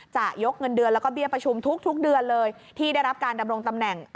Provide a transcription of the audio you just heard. จะยกเงินเดือนแล้วก็เบี้ยประชุมทุกเดือนเลยที่ได้รับการดำรงตำแหน่ง